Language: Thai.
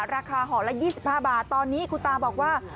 ห่อละ๒๕บาทตอนนี้คุณตาบอกว่า